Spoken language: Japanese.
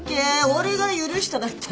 「俺が許した」だって。